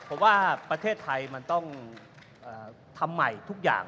เพราะว่าประเทศไทยมันต้องทำใหม่ทุกอย่าง